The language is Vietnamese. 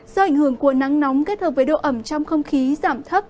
do ảnh hưởng của nắng nóng kết hợp với độ ẩm trong không khí giảm thấp